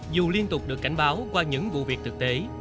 dù liên tục được cảnh báo qua những vụ việc thực tế